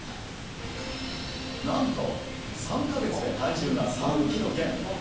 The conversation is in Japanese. なんと３カ月で体重が３キロ減！